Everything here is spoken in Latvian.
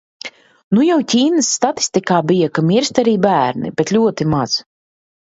Nu jau Ķīnas statistikā bija, ka mirst arī bērni, bet ļoti maz.